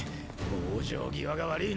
往生際が悪ぃな！